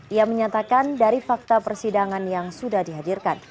ia menyatakan dari fakta persidangan yang sudah dihadirkan